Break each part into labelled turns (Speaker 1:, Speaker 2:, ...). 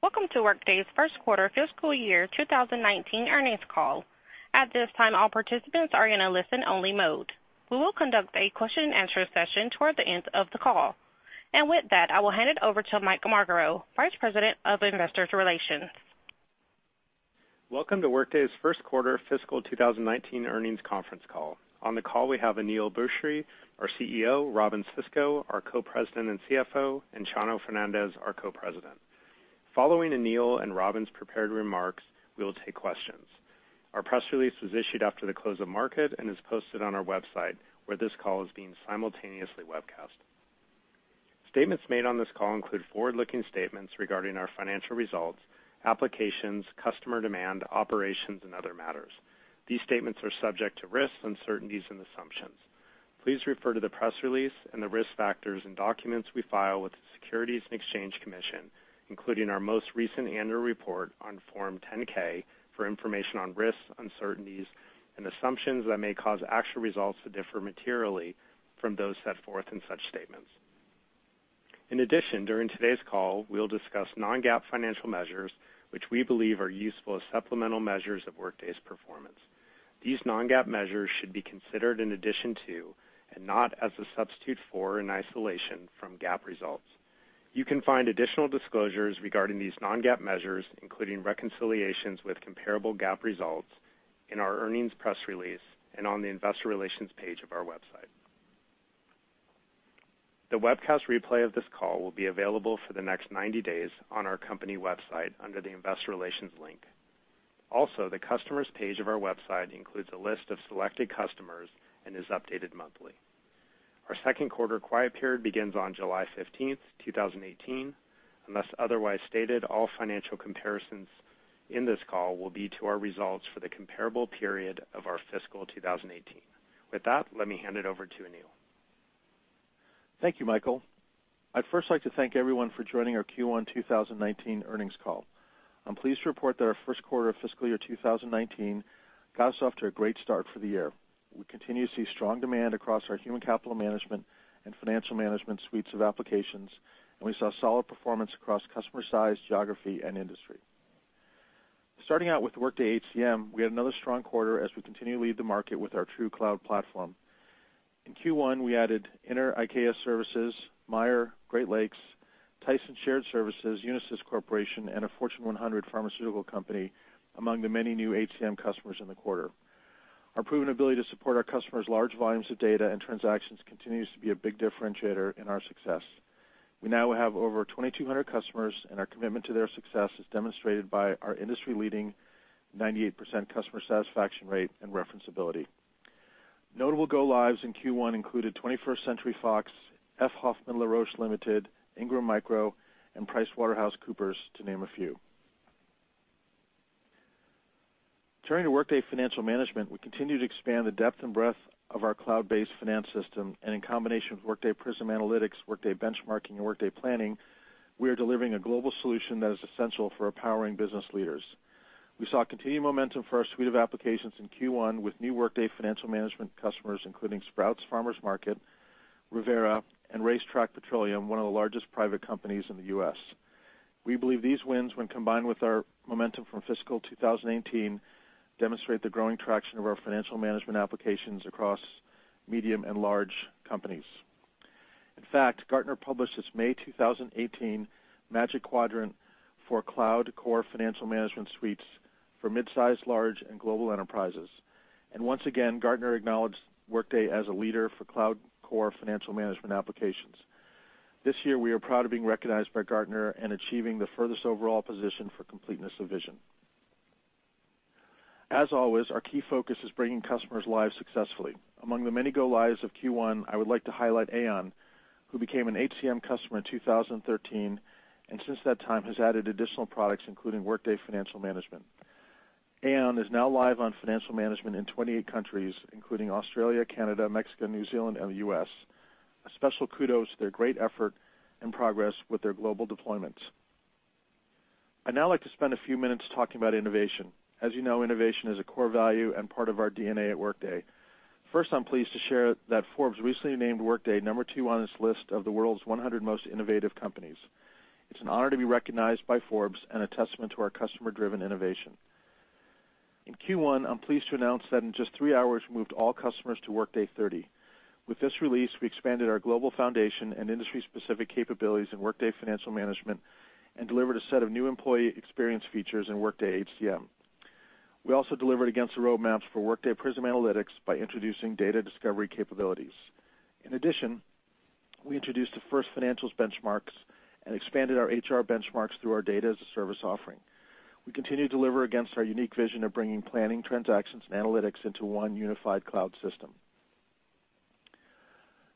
Speaker 1: Welcome to Workday's first quarter fiscal year 2019 earnings call. At this time, all participants are in a listen only mode. We will conduct a question and answer session toward the end of the call. With that, I will hand it over to Mike Magaro, Vice President of Investor Relations.
Speaker 2: Welcome to Workday's first quarter fiscal 2019 earnings conference call. On the call we have Aneel Bhusri, our CEO, Robynne Sisco, our Co-President and CFO, and Chano Fernandez, our Co-President. Following Aneel and Robynne's prepared remarks, we will take questions. Our press release was issued after the close of market and is posted on our website, where this call is being simultaneously webcast. Statements made on this call include forward-looking statements regarding our financial results, applications, customer demand, operations, and other matters. These statements are subject to risks, uncertainties and assumptions. Please refer to the press release and the risk factors and documents we file with the Securities and Exchange Commission, including our most recent annual report on Form 10-K, for information on risks, uncertainties, and assumptions that may cause actual results to differ materially from those set forth in such statements. In addition, during today's call, we'll discuss non-GAAP financial measures, which we believe are useful as supplemental measures of Workday's performance. These non-GAAP measures should be considered in addition to, and not as a substitute for in isolation from, GAAP results. You can find additional disclosures regarding these non-GAAP measures, including reconciliations with comparable GAAP results, in our earnings press release and on the investor relations page of our website. The webcast replay of this call will be available for the next 90 days on our company website under the investor relations link. The customers page of our website includes a list of selected customers and is updated monthly. Our second quarter quiet period begins on July 15th, 2018. Unless otherwise stated, all financial comparisons in this call will be to our results for the comparable period of our fiscal 2018. With that, let me hand it over to Aneel.
Speaker 3: Thank you, Michael. I'd first like to thank everyone for joining our Q1 2019 earnings call. I'm pleased to report that our first quarter of fiscal year 2019 got us off to a great start for the year. We continue to see strong demand across our human capital management and financial management suites of applications, and we saw solid performance across customer size, geography, and industry. Starting out with Workday HCM, we had another strong quarter as we continue to lead the market with our true cloud platform. In Q1, we added Intertek Services, Meijer, Great Lakes, Tyson Shared Services, Unisys Corporation, and a Fortune 100 pharmaceutical company, among the many new HCM customers in the quarter. Our proven ability to support our customers' large volumes of data and transactions continues to be a big differentiator in our success. We now have over 2,200 customers, and our commitment to their success is demonstrated by our industry-leading 98% customer satisfaction rate and referenceability. Notable go-lives in Q1 included 21st Century Fox, F. Hoffmann-La Roche Limited, Ingram Micro, and PricewaterhouseCoopers, to name a few. Turning to Workday Financial Management, we continue to expand the depth and breadth of our cloud-based finance system, and in combination with Workday Prism Analytics, Workday Benchmarking, and Workday Planning, we are delivering a global solution that is essential for empowering business leaders. We saw continued momentum for our suite of applications in Q1 with new Workday Financial Management customers, including Sprouts Farmers Market, Riviera Produce, and RaceTrac, one of the largest private companies in the U.S. We believe these wins, when combined with our momentum from fiscal 2018, demonstrate the growing traction of our financial management applications across medium and large companies. In fact, Gartner published its May 2018 Magic Quadrant for Cloud Core Financial Management Suites for Midsize, Large, and Global Enterprises. Once again, Gartner acknowledged Workday as a leader for cloud core financial management applications. This year, we are proud of being recognized by Gartner and achieving the furthest overall position for completeness of vision. As always, our key focus is bringing customers live successfully. Among the many go-lives of Q1, I would like to highlight Aon, who became an HCM customer in 2013, and since that time has added additional products, including Workday Financial Management. Aon is now live on Financial Management in 28 countries, including Australia, Canada, Mexico, New Zealand, and the U.S. A special kudos to their great effort and progress with their global deployments. I'd now like to spend a few minutes talking about innovation. As you know, innovation is a core value and part of our DNA at Workday. First, I'm pleased to share that Forbes recently named Workday number 2 on its list of the world's 100 most innovative companies. It's an honor to be recognized by Forbes and a testament to our customer-driven innovation. In Q1, I'm pleased to announce that in just three hours, we moved all customers to Workday 30. With this release, we expanded our global foundation and industry-specific capabilities in Workday Financial Management and delivered a set of new employee experience features in Workday HCM. We also delivered against the roadmaps for Workday Prism Analytics by introducing data discovery capabilities. In addition, we introduced the first financials benchmarks and expanded our HR benchmarks through our data as a service offering. We continue to deliver against our unique vision of bringing planning, transactions, and analytics into one unified cloud system.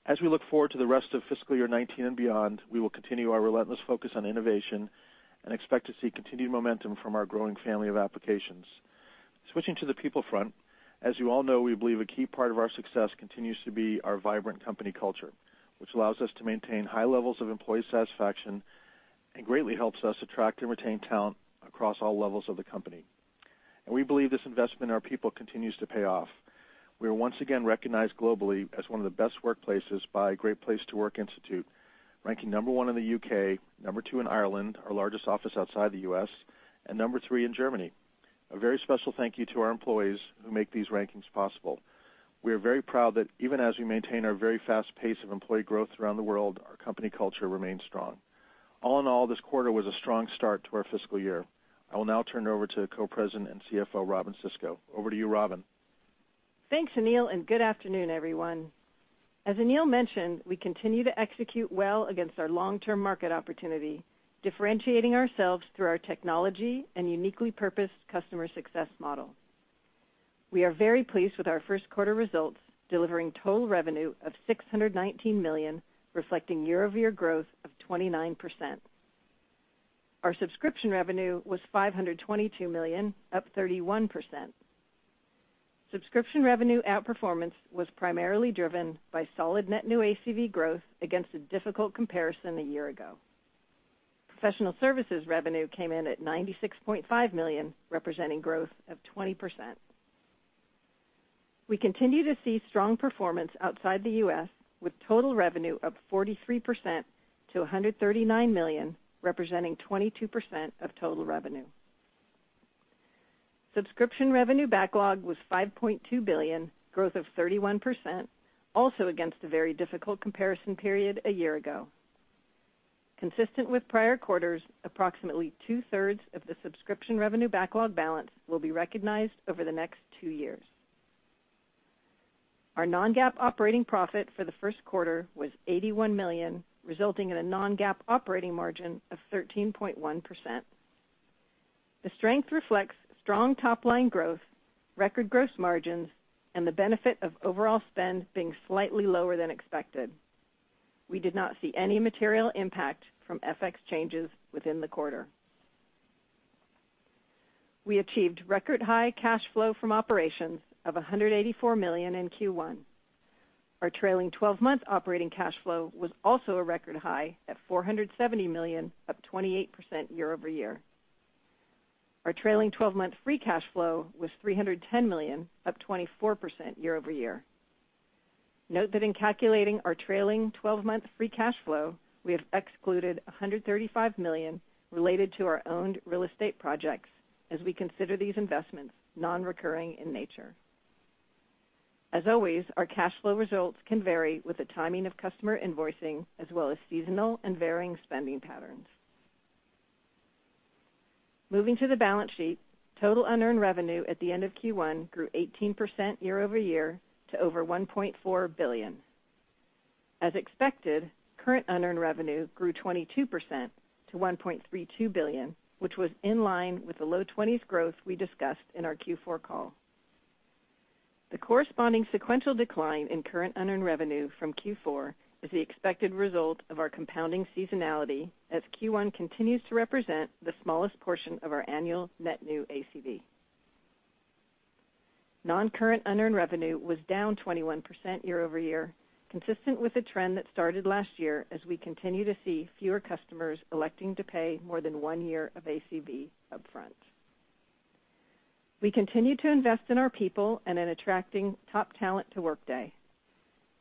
Speaker 3: As we look forward to the rest of fiscal year 2019 and beyond, we will continue our relentless focus on innovation and expect to see continued momentum from our growing family of applications. Switching to the people front, as you all know, we believe a key part of our success continues to be our vibrant company culture, which allows us to maintain high levels of employee satisfaction and greatly helps us attract and retain talent across all levels of the company. We believe this investment in our people continues to pay off. We are once again recognized globally as one of the best workplaces by Great Place to Work Institute, ranking number 1 in the U.K., number 2 in Ireland, our largest office outside the U.S., and number 3 in Germany. A very special thank you to our employees who make these rankings possible. We are very proud that even as we maintain our very fast pace of employee growth around the world, our company culture remains strong. All in all, this quarter was a strong start to our fiscal year. I will now turn it over to Co-President and CFO, Robynne Sisco. Over to you, Robynne.
Speaker 4: Thanks, Aneel, and good afternoon, everyone. As Aneel mentioned, we continue to execute well against our long-term market opportunity, differentiating ourselves through our technology and uniquely purposed customer success model. We are very pleased with our first quarter results, delivering total revenue of $619 million, reflecting year-over-year growth of 29%. Our subscription revenue was $522 million, up 31%. Subscription revenue outperformance was primarily driven by solid net new ACV growth against a difficult comparison a year ago. Professional services revenue came in at $96.5 million, representing growth of 20%. We continue to see strong performance outside the U.S., with total revenue up 43% to $139 million, representing 22% of total revenue. Subscription revenue backlog was $5.2 billion, growth of 31%, also against a very difficult comparison period a year ago. Consistent with prior quarters, approximately two-thirds of the subscription revenue backlog balance will be recognized over the next two years. Our non-GAAP operating profit for the first quarter was $81 million, resulting in a non-GAAP operating margin of 13.1%. The strength reflects strong top-line growth, record gross margins, and the benefit of overall spend being slightly lower than expected. We did not see any material impact from FX changes within the quarter. We achieved record-high cash flow from operations of $184 million in Q1. Our trailing 12-month operating cash flow was also a record high at $470 million, up 28% year-over-year. Our trailing 12-month free cash flow was $310 million, up 24% year-over-year. Note that in calculating our trailing 12-month free cash flow, we have excluded $135 million related to our owned real estate projects, as we consider these investments non-recurring in nature. As always, our cash flow results can vary with the timing of customer invoicing, as well as seasonal and varying spending patterns. Moving to the balance sheet, total unearned revenue at the end of Q1 grew 18% year-over-year to over $1.4 billion. As expected, current unearned revenue grew 22% to $1.32 billion, which was in line with the low 20s growth we discussed in our Q4 call. The corresponding sequential decline in current unearned revenue from Q4 is the expected result of our compounding seasonality, as Q1 continues to represent the smallest portion of our annual net new ACV. Non-current unearned revenue was down 21% year-over-year, consistent with a trend that started last year as we continue to see fewer customers electing to pay more than one year of ACV upfront. We continue to invest in our people and in attracting top talent to Workday.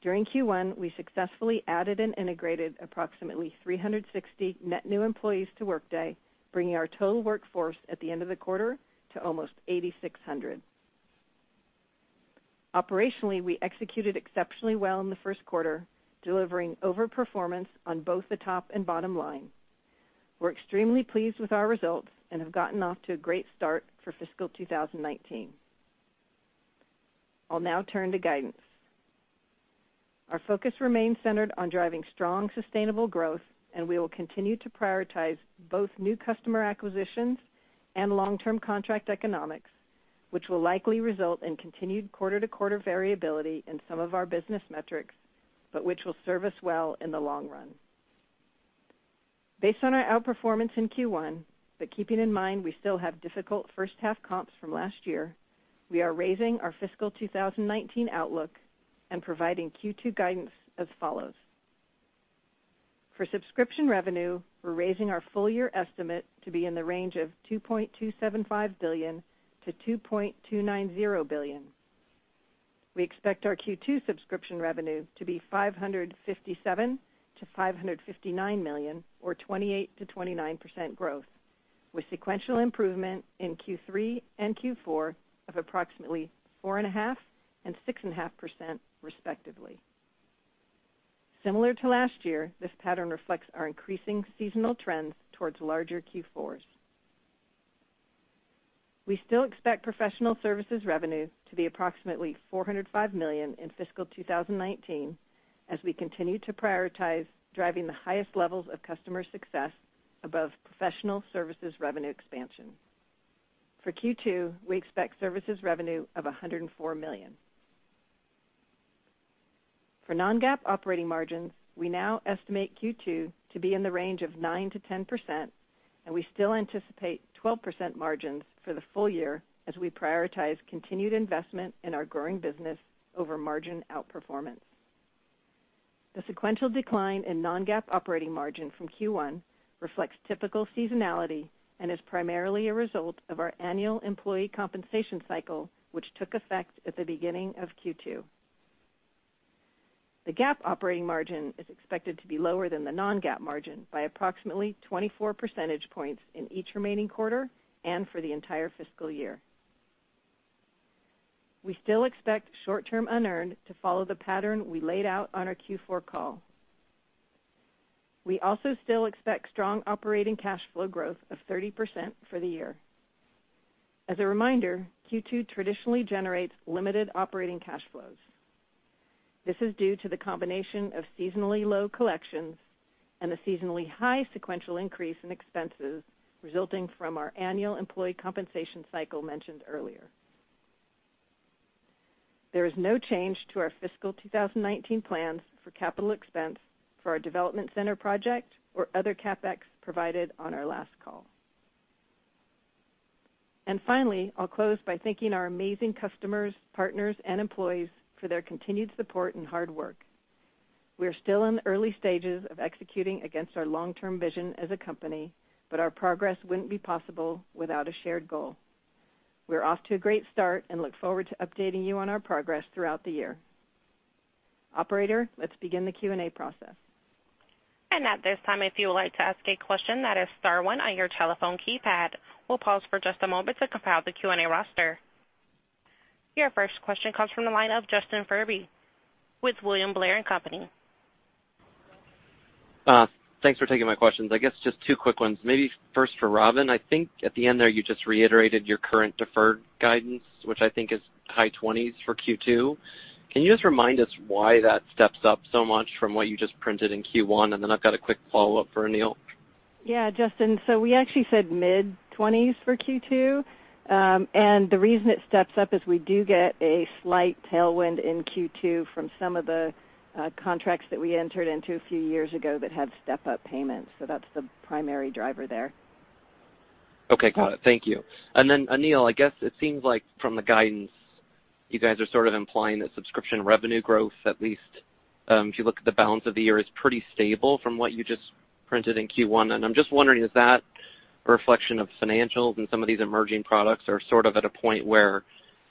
Speaker 4: During Q1, we successfully added and integrated approximately 360 net new employees to Workday, bringing our total workforce at the end of the quarter to almost 8,600. Operationally, we executed exceptionally well in the first quarter, delivering over-performance on both the top and bottom line. We're extremely pleased with our results and have gotten off to a great start for fiscal 2019. I'll now turn to guidance. Our focus remains centered on driving strong, sustainable growth. We will continue to prioritize both new customer acquisitions and long-term contract economics, which will likely result in continued quarter-to-quarter variability in some of our business metrics, but which will serve us well in the long run. Based on our outperformance in Q1, but keeping in mind we still have difficult first-half comps from last year, we are raising our fiscal 2019 outlook and providing Q2 guidance as follows. For subscription revenue, we're raising our full-year estimate to be in the range of $2.275 billion-$2.290 billion. We expect our Q2 subscription revenue to be $557 million-$559 million, or 28%-29% growth, with sequential improvement in Q3 and Q4 of approximately 4.5% and 6.5% respectively. Similar to last year, this pattern reflects our increasing seasonal trends towards larger Q4s. We still expect professional services revenue to be approximately $405 million in fiscal 2019, as we continue to prioritize driving the highest levels of customer success above professional services revenue expansion. For Q2, we expect services revenue of $104 million. For non-GAAP operating margins, we now estimate Q2 to be in the range of 9%-10%, and we still anticipate 12% margins for the full year as we prioritize continued investment in our growing business over margin outperformance. The sequential decline in non-GAAP operating margin from Q1 reflects typical seasonality and is primarily a result of our annual employee compensation cycle, which took effect at the beginning of Q2. The GAAP operating margin is expected to be lower than the non-GAAP margin by approximately 24 percentage points in each remaining quarter and for the entire fiscal year. We still expect short-term unearned to follow the pattern we laid out on our Q4 call. We also still expect strong operating cash flow growth of 30% for the year. As a reminder, Q2 traditionally generates limited operating cash flows. This is due to the combination of seasonally low collections and the seasonally high sequential increase in expenses resulting from our annual employee compensation cycle mentioned earlier. Finally, I'll close by thanking our amazing customers, partners, and employees for their continued support and hard work. We are still in the early stages of executing against our long-term vision as a company, but our progress wouldn't be possible without a shared goal. We're off to a great start and look forward to updating you on our progress throughout the year. Operator, let's begin the Q&A process.
Speaker 1: At this time, if you would like to ask a question, that is star one on your telephone keypad. We'll pause for just a moment to compile the Q&A roster. Your first question comes from the line of Justin Furby with William Blair & Company.
Speaker 5: Thanks for taking my questions. I guess just two quick ones, maybe first for Robynne. I think at the end there, you just reiterated your current deferred guidance, which I think is high 20s for Q2. Can you just remind us why that steps up so much from what you just printed in Q1? Then I've got a quick follow-up for Aneel.
Speaker 4: Justin. We actually said mid-20s for Q2. The reason it steps up is we do get a slight tailwind in Q2 from some of the contracts that we entered into a few years ago that had step-up payments. That's the primary driver there.
Speaker 5: Okay, got it. Thank you. Aneel, I guess it seems like from the guidance, you guys are sort of implying that subscription revenue growth, at least if you look at the balance of the year, is pretty stable from what you just printed in Q1. I'm just wondering, is that a reflection of financials and some of these emerging products are sort of at a point where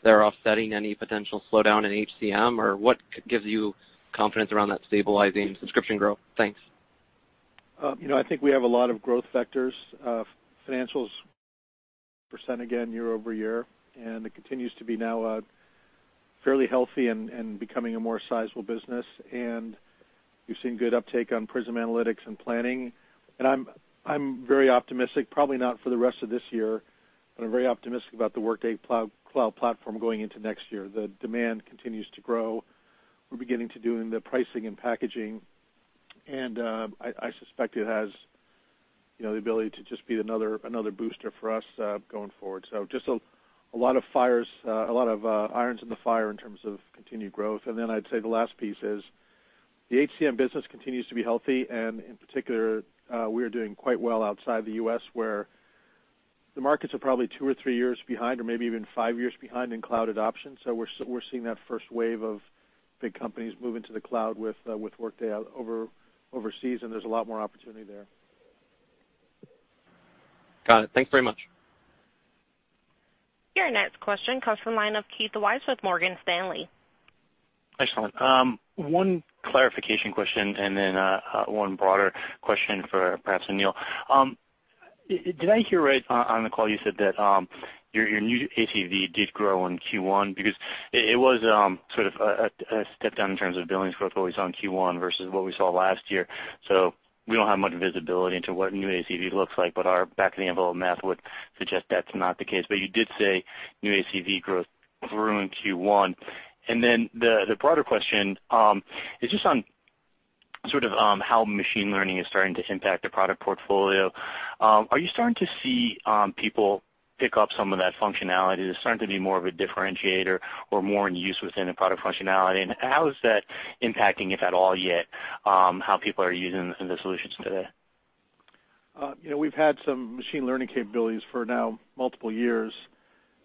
Speaker 5: they're offsetting any potential slowdown in HCM? Or what gives you confidence around that stabilizing subscription growth? Thanks.
Speaker 3: I think we have a lot of growth vectors. Financials percent again year-over-year, it continues to be now a fairly healthy and becoming a more sizable business. We've seen good uptake on Prism Analytics and Planning. I'm very optimistic, probably not for the rest of this year, but I'm very optimistic about the Workday Cloud Platform going into next year. The demand continues to grow. We're beginning to do the pricing and packaging, I suspect it has the ability to just be another booster for us going forward. Just a lot of irons in the fire in terms of continued growth. I'd say the last piece is the HCM business continues to be healthy, in particular, we are doing quite well outside the U.S., where the markets are probably two or three years behind or maybe even five years behind in cloud adoption. We're seeing that first wave of big companies move into the cloud with Workday overseas, there's a lot more opportunity there.
Speaker 5: Got it. Thanks very much.
Speaker 1: Your next question comes from the line of Keith Weiss with Morgan Stanley.
Speaker 6: Excellent. One clarification question and then one broader question for perhaps Aneel. Did I hear right on the call, you said that your new ACV did grow in Q1? Because it was sort of a step down in terms of billings growth what we saw in Q1 versus what we saw last year. We don't have much visibility into what new ACV looks like, but our back of the envelope math would suggest that's not the case. You did say new ACV growth grew in Q1. The broader question is just on sort of how machine learning is starting to impact the product portfolio. Are you starting to see people pick up some of that functionality that's starting to be more of a differentiator or more in use within the product functionality, and how is that impacting, if at all yet, how people are using the solutions today?
Speaker 3: We've had some machine learning capabilities for now multiple years,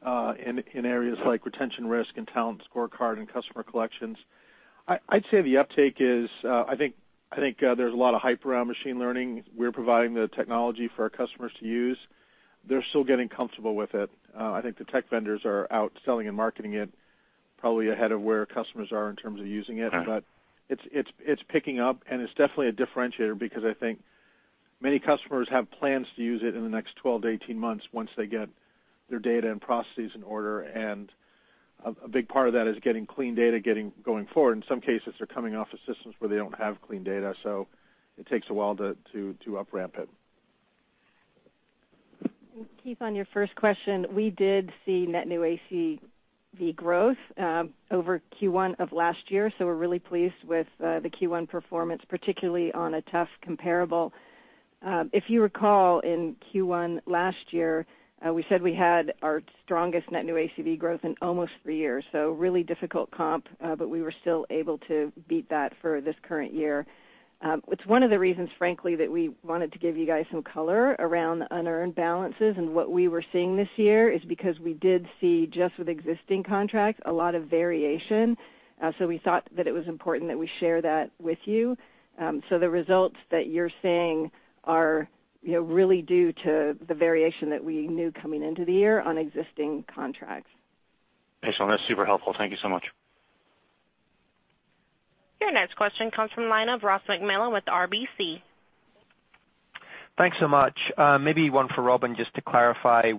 Speaker 3: in areas like retention risk and talent scorecard and customer collections. I'd say the uptake is, I think there's a lot of hype around machine learning. We're providing the technology for our customers to use. They're still getting comfortable with it. I think the tech vendors are out selling and marketing it probably ahead of where customers are in terms of using it.
Speaker 6: Got it.
Speaker 3: It's picking up, and it's definitely a differentiator because I think many customers have plans to use it in the next 12-18 months once they get their data and processes in order, and a big part of that is getting clean data going forward. In some cases, they're coming off of systems where they don't have clean data, so it takes a while to up ramp it.
Speaker 4: Keith, on your first question, we did see net new ACV growth over Q1 of last year. We're really pleased with the Q1 performance, particularly on a tough comparable. If you recall, in Q1 last year, we said we had our strongest net new ACV growth in almost three years. Really difficult comp, but we were still able to beat that for this current year. It's one of the reasons, frankly, that we wanted to give you guys some color around the unearned balances and what we were seeing this year is because we did see, just with existing contracts, a lot of variation. We thought that it was important that we share that with you. The results that you're seeing are really due to the variation that we knew coming into the year on existing contracts.
Speaker 6: Thanks on that. Super helpful. Thank you so much.
Speaker 1: Your next question comes from the line of Ross MacMillan with RBC.
Speaker 7: Thanks so much. Maybe one for Robynne, just to clarify.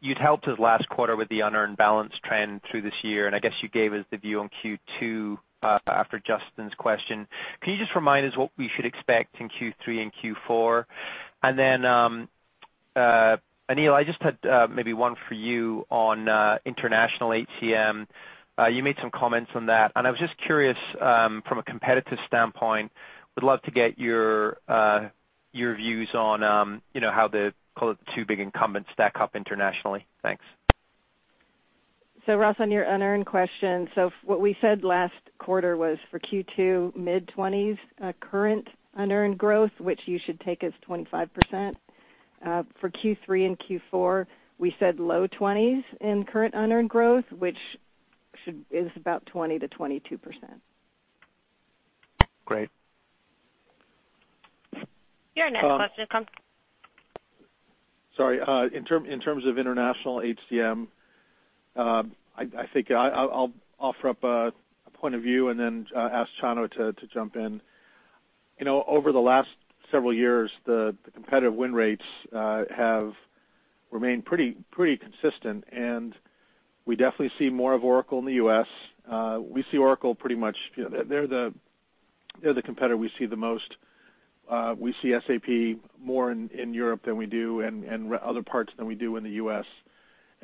Speaker 7: You'd helped us last quarter with the unearned balance trend through this year. I guess you gave us the view on Q2 after Justin's question. Can you just remind us what we should expect in Q3 and Q4? Then, Aneel, I just had maybe one for you on international HCM. You made some comments on that, and I was just curious from a competitive standpoint, would love to get your views on how the two big incumbents stack up internationally. Thanks.
Speaker 4: Ross, on your unearned question, so what we said last quarter was for Q2, mid-20s current unearned growth, which you should take as 25%. For Q3 and Q4, we said low 20s in current unearned growth, which is about 20%-22%.
Speaker 7: Great.
Speaker 1: Your next question comes-
Speaker 3: Sorry. In terms of international HCM, I think I'll offer up a point of view and then ask Chano to jump in. Over the last several years, the competitive win rates have remained pretty consistent, we definitely see more of Oracle in the U.S. We see Oracle pretty much—they're the competitor we see the most. We see SAP more in Europe than we do, and other parts than we do in the U.S.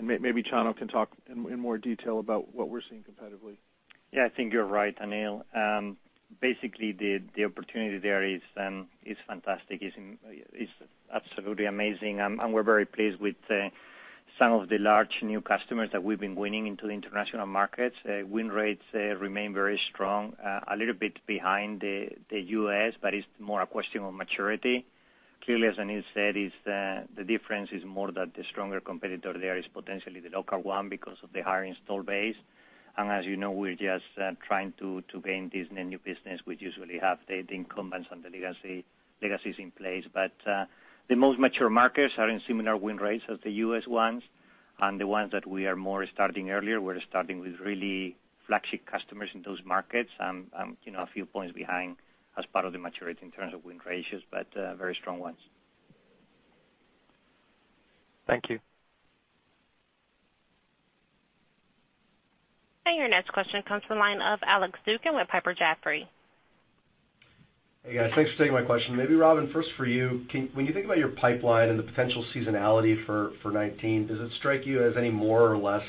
Speaker 3: Maybe Chano can talk in more detail about what we're seeing competitively.
Speaker 8: Yeah, I think you're right, Aneel. Basically, the opportunity there is fantastic. It's absolutely amazing, and we're very pleased with some of the large new customers that we've been winning into the international markets. Win rates remain very strong, a little bit behind the U.S., but it's more a question of maturity. Clearly, as Aneel said, the difference is more that the stronger competitor there is potentially the local one because of the higher install base. As you know, we're just trying to gain this new business, which usually have the incumbents and the legacies in place. The most mature markets are in similar win rates as the U.S. ones, and the ones that we are more starting earlier, we're starting with really flagship customers in those markets and a few points behind as part of the maturity in terms of win ratios, but very strong ones.
Speaker 7: Thank you.
Speaker 1: Your next question comes from the line of Alex Zukin with Piper Jaffray.
Speaker 9: Hey, guys. Thanks for taking my question. Maybe Robynne, first for you, when you think about your pipeline and the potential seasonality for 2019, does it strike you as any more or less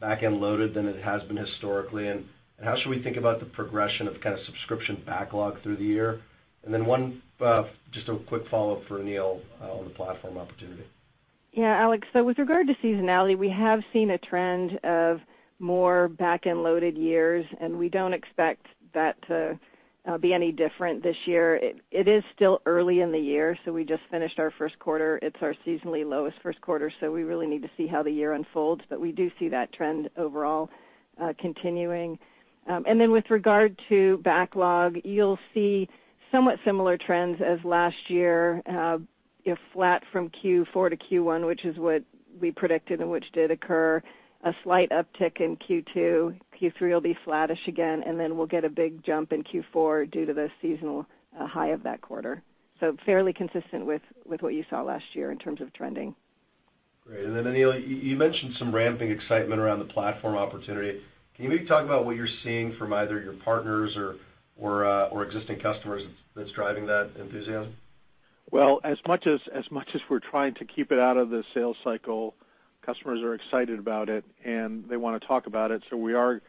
Speaker 9: back-end loaded than it has been historically? How should we think about the progression of subscription backlog through the year? One, just a quick follow-up for Aneel on the platform opportunity.
Speaker 4: Yeah, Alex. With regard to seasonality, we have seen a trend of more back-end loaded years, and we don't expect that to be any different this year. It is still early in the year, we just finished our first quarter. It's our seasonally lowest first quarter, we really need to see how the year unfolds, but we do see that trend overall continuing. With regard to backlog, you'll see somewhat similar trends as last year, flat from Q4 to Q1, which is what we predicted and which did occur, a slight uptick in Q2. Q3 will be flattish again, and then we'll get a big jump in Q4 due to the seasonal high of that quarter. Fairly consistent with what you saw last year in terms of trending.
Speaker 9: Great. Aneel, you mentioned some ramping excitement around the platform opportunity. Can you maybe talk about what you're seeing from either your partners or existing customers that's driving that enthusiasm?
Speaker 3: Well, as much as we're trying to keep it out of the sales cycle, customers are excited about it, and they want to talk about it. We are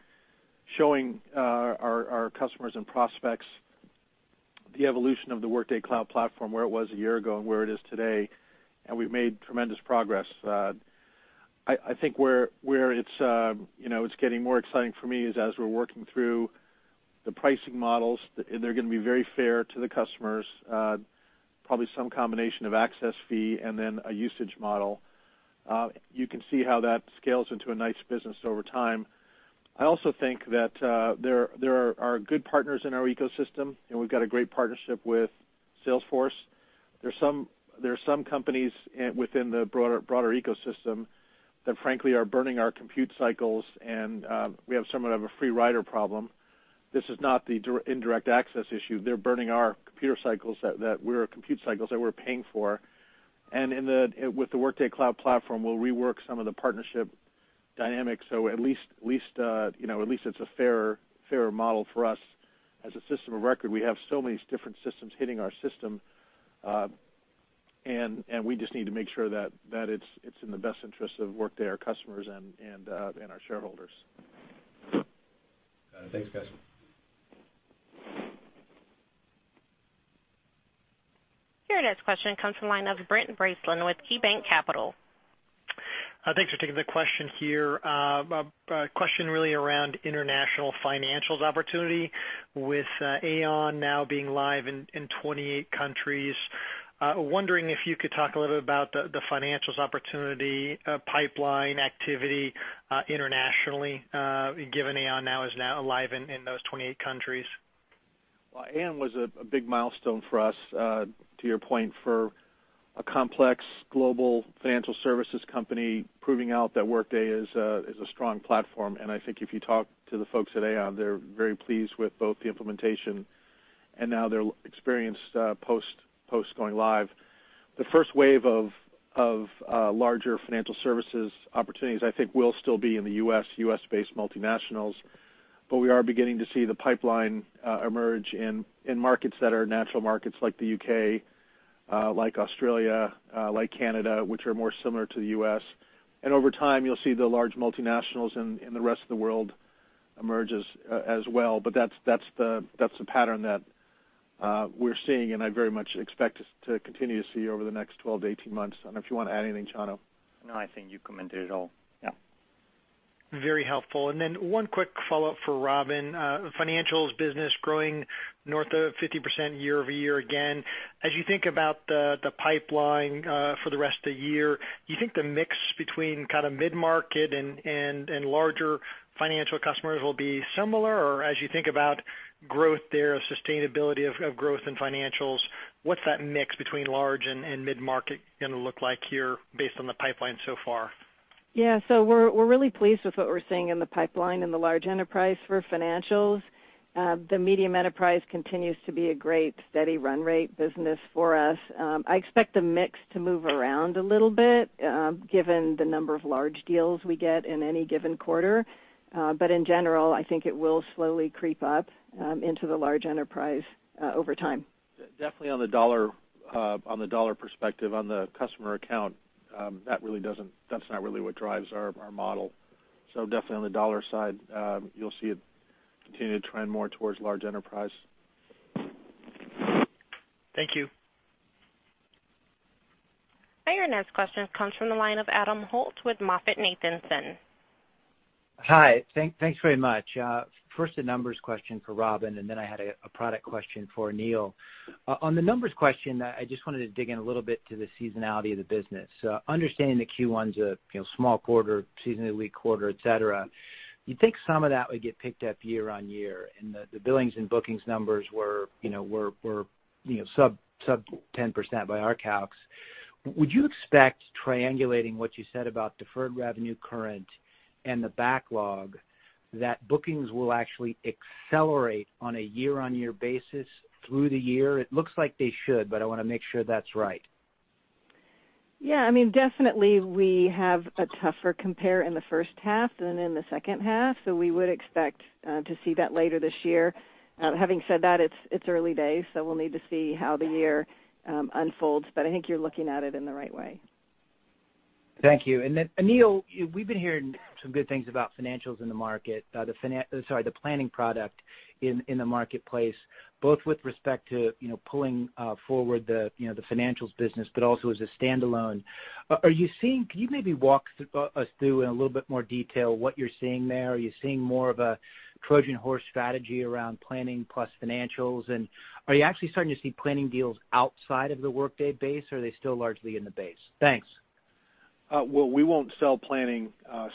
Speaker 3: showing our customers and prospects the evolution of the Workday Cloud Platform, where it was a year ago and where it is today, and we've made tremendous progress. I think where it's getting more exciting for me is as we're working through the pricing models, they're going to be very fair to the customers, probably some combination of access fee and then a usage model. You can see how that scales into a nice business over time. I also think that there are good partners in our ecosystem, and we've got a great partnership with Salesforce. There are some companies within the broader ecosystem that frankly are burning our compute cycles, and we have somewhat of a free rider problem. This is not the indirect access issue. They're burning our compute cycles that we're paying for. With the Workday Cloud Platform, we'll rework some of the partnership dynamics so at least it's a fairer model for us. As a system of record, we have so many different systems hitting our system, and we just need to make sure that it's in the best interest of Workday, our customers, and our shareholders.
Speaker 9: Got it. Thanks, guys.
Speaker 1: Your next question comes from the line of Brent Bracelin with KeyBanc Capital.
Speaker 10: Thanks for taking the question here. A question really around international financials opportunity with Aon now being live in 28 countries. Wondering if you could talk a little bit about the financials opportunity pipeline activity internationally, given Aon is now live in those 28 countries.
Speaker 3: Aon was a big milestone for us, to your point, for a complex global financial services company proving out that Workday is a strong platform. I think if you talk to the folks at Aon, they're very pleased with both the implementation and now their experience post going live. The first wave of larger financial services opportunities, I think will still be in the U.S., U.S.-based multinationals. We are beginning to see the pipeline emerge in markets that are natural markets like the U.K., like Australia, like Canada, which are more similar to the U.S. Over time, you'll see the large multinationals in the rest of the world emerge as well. That's the pattern that we're seeing, and I very much expect us to continue to see over the next 12 to 18 months. I don't know if you want to add anything, Chano.
Speaker 8: No, I think you commented it all. Yep.
Speaker 10: Very helpful. One quick follow-up for Robynne. Financials business growing north of 50% year-over-year again. As you think about the pipeline for the rest of the year, do you think the mix between mid-market and larger financial customers will be similar? As you think about growth there, sustainability of growth in financials, what's that mix between large and mid-market going to look like here based on the pipeline so far?
Speaker 4: Yeah. We're really pleased with what we're seeing in the pipeline in the large enterprise for financials. The medium enterprise continues to be a great steady run rate business for us. I expect the mix to move around a little bit given the number of large deals we get in any given quarter. In general, I think it will slowly creep up into the large enterprise over time.
Speaker 3: Definitely on the dollar perspective, on the customer account, that's not really what drives our model. Definitely on the dollar side, you'll see it continue to trend more towards large enterprise.
Speaker 10: Thank you.
Speaker 1: Your next question comes from the line of Adam Holt with MoffettNathanson.
Speaker 11: Hi. Thanks very much. First, a numbers question for Robynne, and then I had a product question for Aneel. On the numbers question, I just wanted to dig in a little bit to the seasonality of the business. Understanding that Q1's a small quarter, seasonally quarter, et cetera, you'd think some of that would get picked up year-on-year, and the billings and bookings numbers were sub 10% by our calcs. Would you expect triangulating what you said about deferred revenue current and the backlog, that bookings will actually accelerate on a year-on-year basis through the year? It looks like they should, but I want to make sure that's right.
Speaker 4: Yeah. Definitely we have a tougher compare in the first half than in the second half, so we would expect to see that later this year. Having said that, it's early days, so we'll need to see how the year unfolds, but I think you're looking at it in the right way.
Speaker 11: Thank you. Aneel, we've been hearing some good things about financials in the market, the planning product in the marketplace, both with respect to pulling forward the financials business, but also as a standalone. Can you maybe walk us through in a little bit more detail what you're seeing there? Are you seeing more of a Trojan horse strategy around planning plus financials? Are you actually starting to see planning deals outside of the Workday base, or are they still largely in the base? Thanks.
Speaker 3: We won't sell planning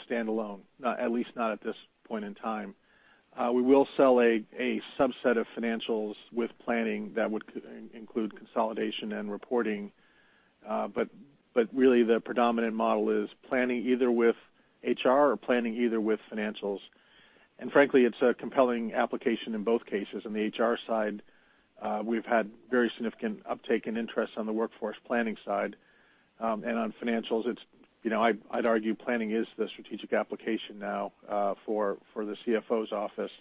Speaker 3: standalone, at least not at this point in time. We will sell a subset of financials with planning that would include consolidation and reporting. Really the predominant model is planning either with HR or planning either with financials. Frankly, it's a compelling application in both cases. On the HR side, we've had very significant uptake and interest on the workforce planning side. On financials, I'd argue planning is the strategic application now for the CFO's office,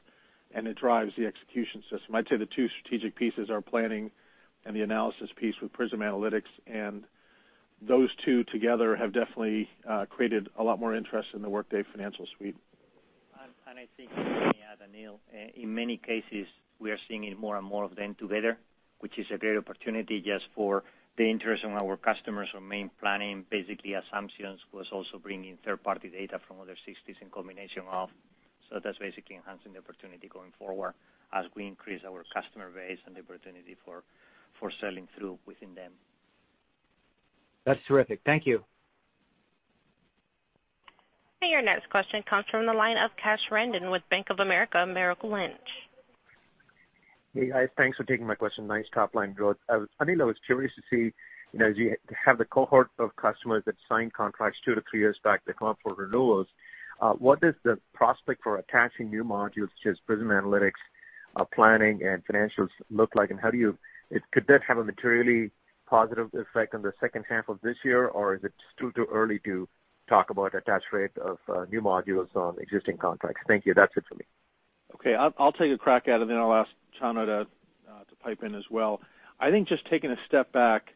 Speaker 3: and it drives the execution system. I'd say the two strategic pieces are planning and the analysis piece with Workday Prism Analytics, and those two together have definitely created a lot more interest in the Workday Financial Suite.
Speaker 8: I think, let me add, Aneel, in many cases, we are seeing more and more of them together, which is a great opportunity just for the interest in our customers from main planning, basically assumptions was also bringing third-party data from other systems in combination of. That's basically enhancing the opportunity going forward as we increase our customer base and the opportunity for selling through within them.
Speaker 11: That's terrific. Thank you.
Speaker 1: Your next question comes from the line of Kash Rangan with Bank of America Merrill Lynch.
Speaker 12: Hey, guys, thanks for taking my question. Nice top-line growth. Aneel, I was curious to see, as you have the cohort of customers that signed contracts two to three years back that come up for renewals, what does the prospect for attaching new modules such as Prism Analytics, planning, and financials look like? Could that have a materially positive effect on the second half of this year, or is it still too early to talk about attach rate of new modules on existing contracts? Thank you. That's it for me.
Speaker 3: Okay. I'll take a crack at it. Then I'll ask Chano to pipe in as well. I think just taking a step back,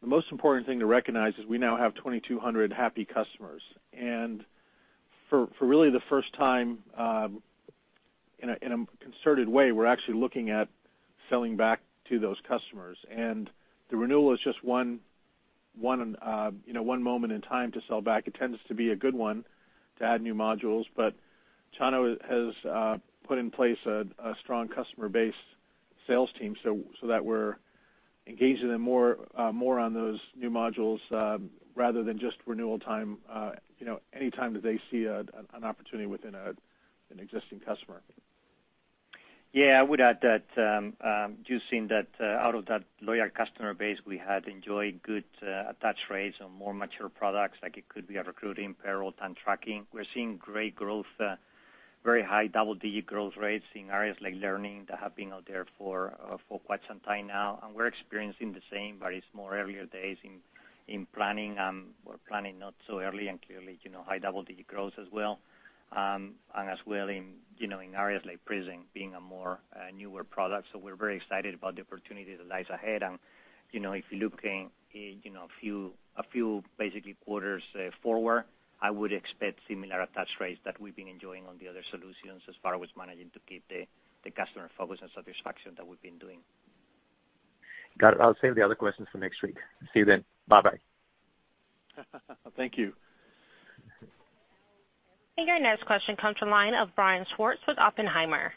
Speaker 3: the most important thing to recognize is we now have 2,200 happy customers. For really the first time in a concerted way, we're actually looking at selling back to those customers. The renewal is just one moment in time to sell back. It tends to be a good one to add new modules, but Chano has put in place a strong customer base sales team, so that we're engaging them more on those new modules, rather than just renewal time, anytime that they see an opportunity within an existing customer.
Speaker 8: Yeah. I would add that, just seeing that out of that loyal customer base, we had enjoyed good attach rates on more mature products, like it could be our recruiting, payroll, time tracking. We're seeing great growth, very high double-digit growth rates in areas like learning that have been out there for quite some time now. We're experiencing the same, but it's more earlier days in planning. We're planning not so early and clearly, high double-digit growth as well. As well in areas like Prism, being a more newer product. We're very excited about the opportunity that lies ahead. If looking a few, basically quarters forward, I would expect similar attach rates that we've been enjoying on the other solutions as far as managing to keep the customer focus and satisfaction that we've been doing.
Speaker 12: Got it. I'll save the other questions for next week. See you then. Bye bye.
Speaker 3: Thank you.
Speaker 1: Your next question comes from the line of Brian Schwartz with Oppenheimer.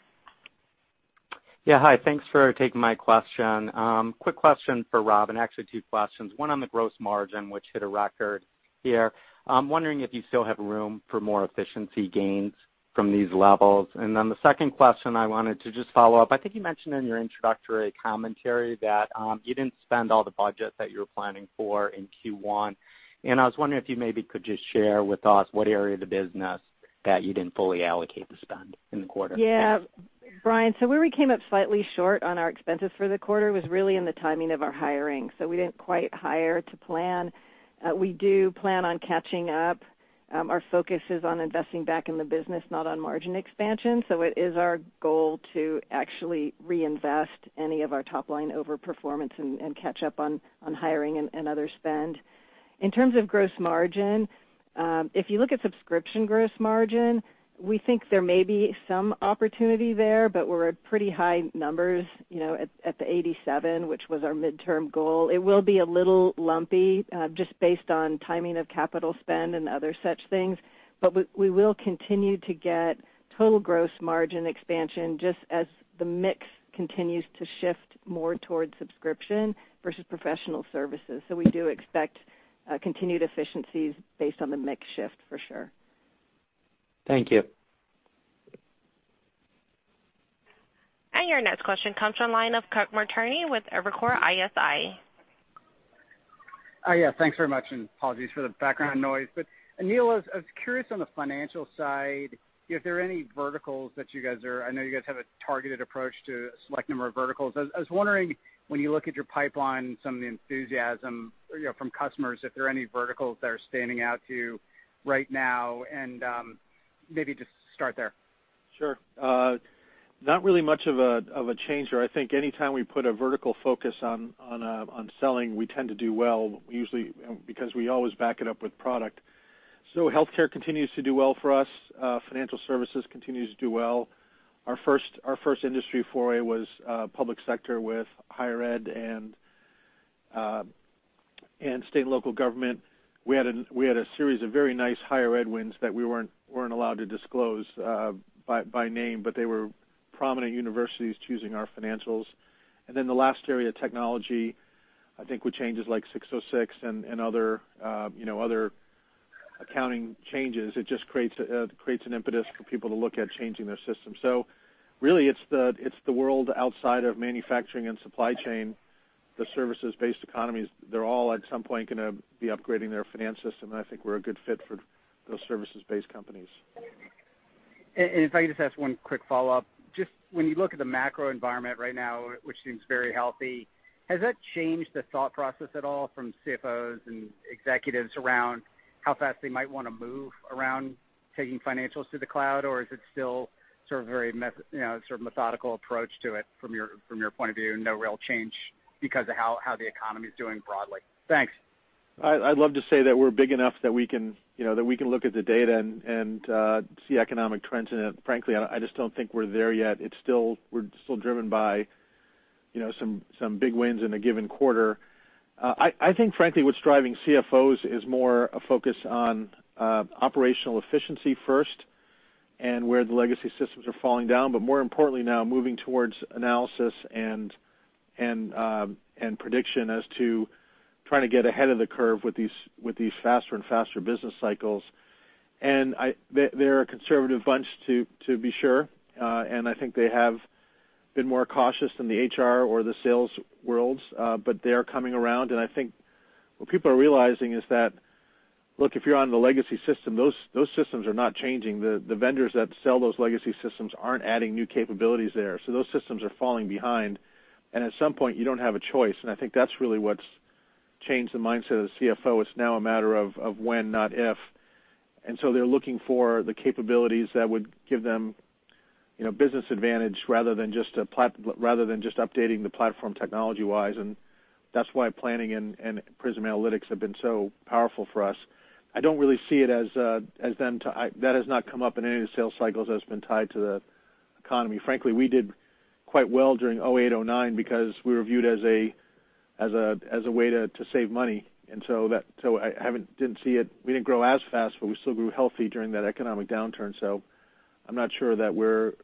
Speaker 13: Hi. Thanks for taking my question. Quick question for Robynne, actually two questions. One on the gross margin, which hit a record here. I'm wondering if you still have room for more efficiency gains from these levels. The second question I wanted to just follow up, I think you mentioned in your introductory commentary that you didn't spend all the budget that you were planning for in Q1. I was wondering if you maybe could just share with us what area of the business that you didn't fully allocate the spend in the quarter.
Speaker 4: Brian, where we came up slightly short on our expenses for the quarter was really in the timing of our hiring. We didn't quite hire to plan. We do plan on catching up. Our focus is on investing back in the business, not on margin expansion. It is our goal to actually reinvest any of our top-line overperformance and catch up on hiring and other spend. In terms of gross margin, if you look at subscription gross margin, we think there may be some opportunity there, but we're at pretty high numbers, at the 87, which was our midterm goal. It will be a little lumpy, just based on timing of capital spend and other such things. We will continue to get total gross margin expansion, just as the mix continues to shift more towards subscription versus professional services. We do expect continued efficiencies based on the mix shift for sure.
Speaker 13: Thank you.
Speaker 1: Your next question comes from the line of Kirk Materne with Evercore ISI.
Speaker 14: Yeah. Thanks very much, apologies for the background noise. Aneel, I was curious on the financial side, if there are any verticals that I know you guys have a targeted approach to a select number of verticals. I was wondering, when you look at your pipeline and some of the enthusiasm from customers, if there are any verticals that are standing out to you right now, maybe just start there.
Speaker 3: Sure. Not really much of a changer. I think anytime we put a vertical focus on selling, we tend to do well, usually because we always back it up with product. Healthcare continues to do well for us. Financial services continues to do well. Our first industry foray was public sector with higher ed and state and local government. We had a series of very nice higher ed wins that we weren't allowed to disclose by name, but they were prominent universities choosing our financials. Then the last area, technology, I think with changes like 606 and other accounting changes, it just creates an impetus for people to look at changing their system. Really, it's the world outside of manufacturing and supply chain, the services-based economies. They're all, at some point, going to be upgrading their finance system, I think we're a good fit for those services-based companies.
Speaker 14: If I could just ask one quick follow-up. Just when you look at the macro environment right now, which seems very healthy, has that changed the thought process at all from CFOs and executives around how fast they might want to move around taking financials to the cloud? Is it still very methodical approach to it from your point of view, and no real change because of how the economy's doing broadly? Thanks.
Speaker 3: I'd love to say that we're big enough that we can look at the data and see economic trends. Frankly, I just don't think we're there yet. We're still driven by some big wins in a given quarter. I think, frankly, what's driving CFOs is more a focus on operational efficiency first and where the legacy systems are falling down. More importantly now, moving towards analysis and prediction as to trying to get ahead of the curve with these faster and faster business cycles. They're a conservative bunch, to be sure. I think they have been more cautious than the HR or the sales worlds. They are coming around, and I think what people are realizing is that, look, if you're on the legacy system, those systems are not changing. The vendors that sell those legacy systems aren't adding new capabilities there. Those systems are falling behind, and at some point, you don't have a choice. I think that's really what's changed the mindset of the CFO. It's now a matter of when, not if. They're looking for the capabilities that would give them business advantage rather than just updating the platform technology-wise. That's why planning and Prism Analytics have been so powerful for us. I don't really see it as them. That has not come up in any of the sales cycles as been tied to the economy. Frankly, we did quite well during 2008, 2009, because we were viewed as a way to save money. I didn't see it. We didn't grow as fast, but we still grew healthy during that economic downturn. I'm not sure that we're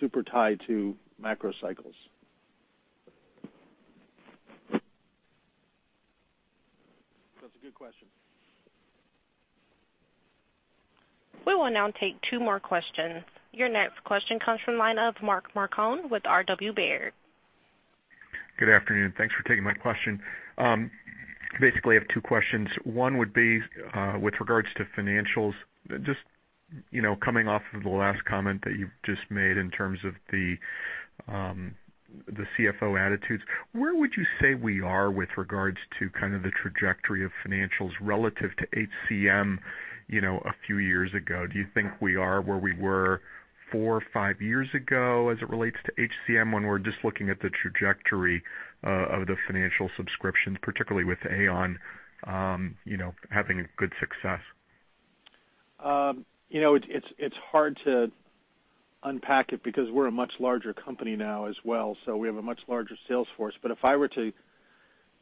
Speaker 3: super tied to macro cycles. That's a good question.
Speaker 1: We will now take two more questions. Your next question comes from line of Mark Marcon with R.W. Baird.
Speaker 15: Good afternoon. Thanks for taking my question. I have two questions. With regards to financials. Coming off of the last comment that you've just made in terms of the CFO attitudes, where would you say we are with regards to kind of the trajectory of financials relative to HCM, a few years ago? Do you think we are where we were four or five years ago as it relates to HCM when we're just looking at the trajectory of the financial subscriptions, particularly with Aon having a good success?
Speaker 3: It's hard to unpack it because we're a much larger company now as well. We have a much larger sales force. If I were to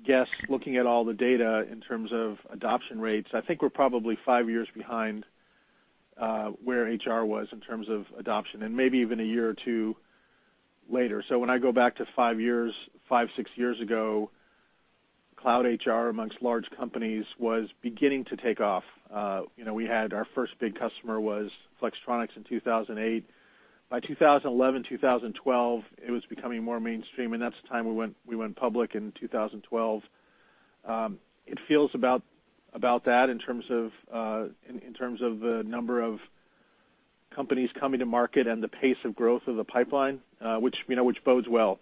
Speaker 3: guess, looking at all the data in terms of adoption rates, I think we're probably five years behind, where HR was in terms of adoption, and maybe even a year or two later. When I go back to five, six years ago, cloud HR amongst large companies was beginning to take off. Our first big customer was Flextronics in 2008. By 2011, 2012, it was becoming more mainstream, and that's the time we went public in 2012. It feels about that in terms of the number of companies coming to market and the pace of growth of the pipeline, which bodes well.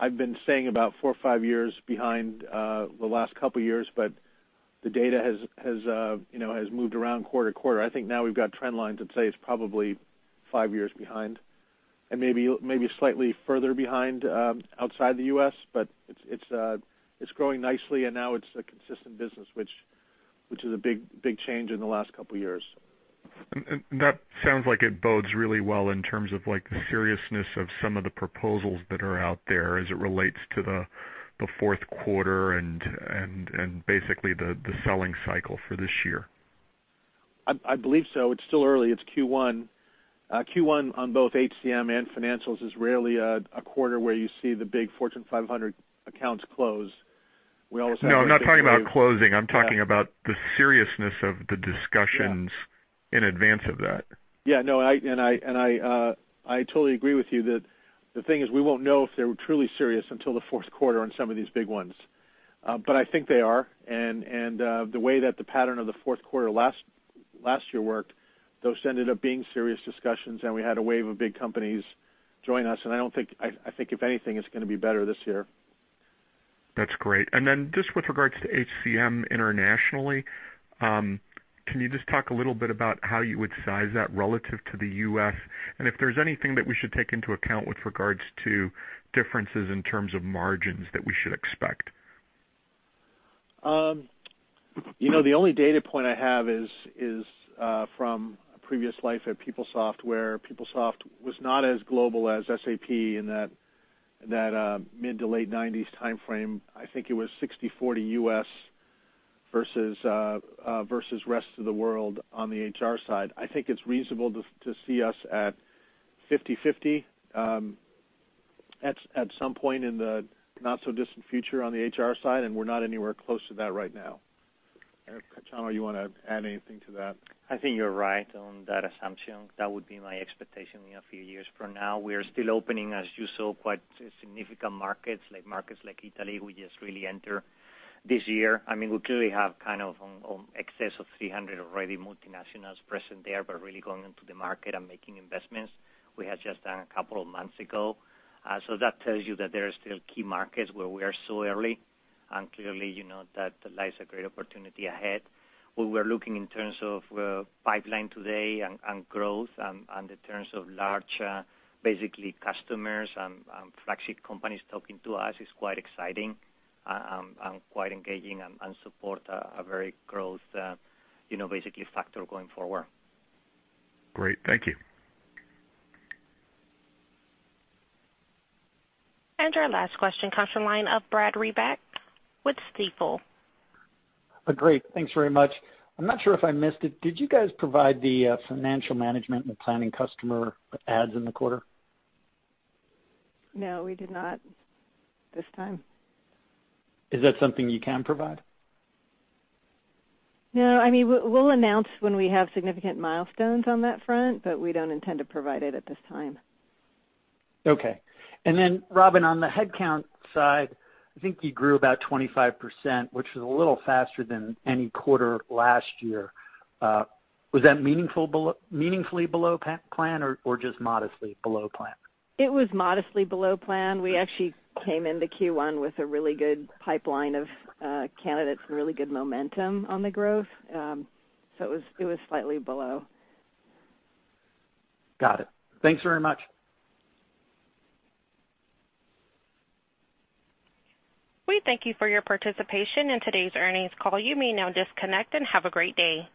Speaker 3: I've been saying about four or five years behind, the last couple of years. The data has moved around quarter-to-quarter. I think now we've got trend lines that say it's probably five years behind. Maybe slightly further behind, outside the U.S. It's growing nicely and now it's a consistent business, which is a big change in the last couple of years.
Speaker 15: That sounds like it bodes really well in terms of the seriousness of some of the proposals that are out there as it relates to the fourth quarter and basically the selling cycle for this year.
Speaker 3: I believe so. It's still early. It's Q1. Q1 on both HCM and financials is rarely a quarter where you see the big Fortune 500 accounts close. We always have.
Speaker 15: I'm not talking about closing. I'm talking about the seriousness of the discussions.
Speaker 3: Yeah
Speaker 15: in advance of that.
Speaker 3: Yeah. I totally agree with you. The thing is, we won't know if they're truly serious until the fourth quarter on some of these big ones. I think they are. The way that the pattern of the fourth quarter last year worked, those ended up being serious discussions, and we had a wave of big companies join us, and I think if anything, it's going to be better this year.
Speaker 15: That's great. Just with regards to HCM internationally, can you just talk a little bit about how you would size that relative to the U.S., and if there's anything that we should take into account with regards to differences in terms of margins that we should expect?
Speaker 3: The only data point I have is from a previous life at PeopleSoft, where PeopleSoft was not as global as SAP in that mid to late '90s timeframe. I think it was 60/40 U.S. versus rest of the world on the HR side. I think it's reasonable to see us at 50/50 at some point in the not so distant future on the HR side, and we're not anywhere close to that right now. Chano, you want to add anything to that?
Speaker 8: I think you're right on that assumption. That would be my expectation in a few years from now. We are still opening, as you saw, quite significant markets. Markets like Italy, we just really enter this year. We clearly have excess of 300 already multinationals present there, but really going into the market and making investments we had just done a couple of months ago. That tells you that there are still key markets where we are so early, and clearly, that lies a great opportunity ahead. Where we're looking in terms of pipeline today and growth, and in terms of large, basically customers and flagship companies talking to us is quite exciting, and quite engaging and support a very growth basically factor going forward.
Speaker 15: Great. Thank you.
Speaker 1: Our last question comes from line of Brad Reback with Stifel.
Speaker 16: Great. Thanks very much. I'm not sure if I missed it. Did you guys provide the financial management and planning customer adds in the quarter?
Speaker 3: No, we did not this time.
Speaker 16: Is that something you can provide?
Speaker 3: We'll announce when we have significant milestones on that front, but we don't intend to provide it at this time.
Speaker 16: Okay. Robynne, on the headcount side, I think you grew about 25%, which is a little faster than any quarter last year. Was that meaningfully below plan or just modestly below plan?
Speaker 4: It was modestly below plan. We actually came into Q1 with a really good pipeline of candidates and really good momentum on the growth. It was slightly below.
Speaker 16: Got it. Thanks very much.
Speaker 1: We thank you for your participation in today's earnings call. You may now disconnect and have a great day.